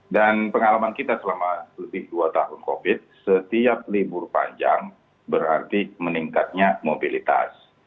dan pengalaman kita selama lebih dua tahun covid setiap libur panjang berarti meningkatnya mobilitas